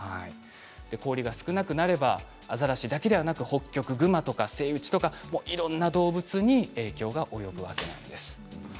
氷が少なくなればアザラシだけではなくホッキョクグマとかセイウチとかいろんな動物に影響が及びます。